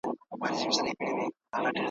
د هغوی نومونه د ولسونو په حافظه